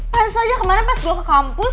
pansah aja kemana pas gue ke kampus